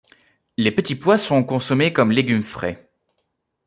Les petits pois sont consommés comme légumes frais.